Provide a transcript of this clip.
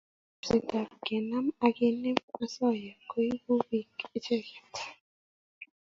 Chorset ab kenam eng kenem osoya koibu bik icheget